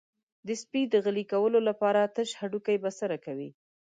د سپي د غلي کولو لپاره تش هډوکی بسنه کوي.